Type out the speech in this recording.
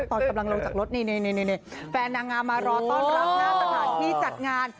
ตอนกำลังลงจากรถนี่แฟนนางงามมารอต้อนรับหน้าสถานที่จัดงาน